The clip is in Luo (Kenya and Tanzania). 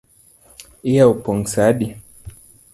Iyawo pong’ sa adi?